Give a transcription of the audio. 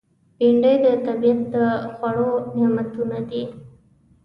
بېنډۍ د طبیعت له خوږو نعمتونو ده